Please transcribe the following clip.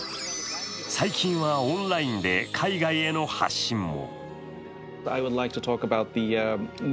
最近はオンラインで海外への発信も。